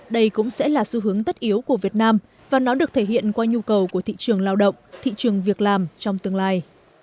đây cũng sẽ là xu hướng tất yếu của việt nam và nó được thể hiện qua nhu cầu của thị trường lao động thị trường việc làm trong tương lai